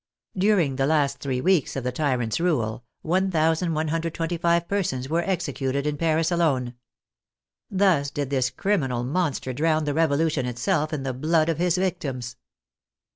During the last three weeks of the tyrant's rule, 1,125 persons were executed in Paris alone. Thus did this criminal monster drown the Revolution itself in the blood of his victims.